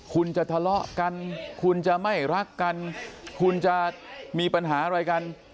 คุณจะทะเลาะกันคุณจะไม่รักกันคุณจะมีปัญหาอะไรกัน